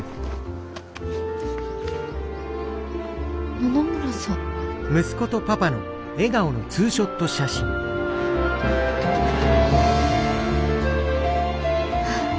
野々村さんえっ？